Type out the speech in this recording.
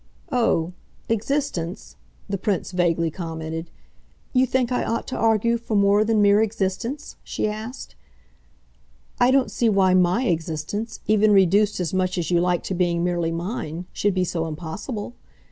"Oh existence!" the Prince vaguely commented. "You think I ought to argue for more than mere existence?" she asked. "I don't see why MY existence even reduced as much as you like to being merely mine should be so impossible.